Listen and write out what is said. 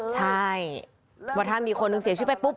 ใช่ว่าถ้ามีคนหนึ่งเสียชีวิตไปปุ๊บ